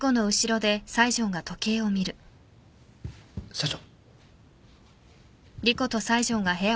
社長。